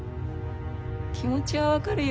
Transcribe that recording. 気持ちは分かるよ。